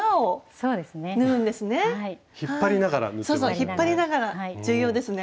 そうそう引っ張りながら重要ですね。